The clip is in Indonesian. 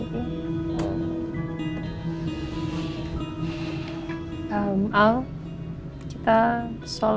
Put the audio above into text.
dan kamu asli sudah proof